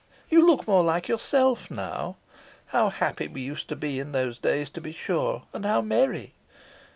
You look more like yourself now. How happy we used to be in those days, to be sure! and how merry!